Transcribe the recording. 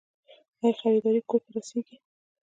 آیا خریداري کور ته رسیږي؟